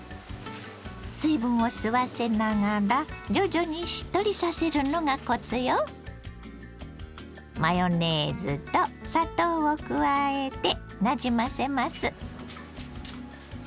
水分を吸わせながら徐々にしっとりさせるのがコツよ。を加えてなじませます。